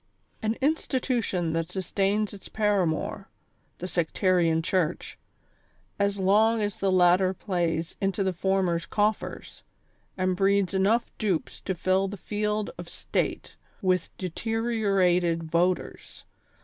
An institution that sustains its paramour — the sectarian church — as long as the latter plays into the former's cof fers, and breeds enough dupes to fill the field of state with deteriorated voters.